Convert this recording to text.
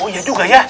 oh ya juga ya